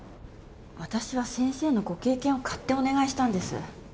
私は先生のご経験を買ってお願いしたんです。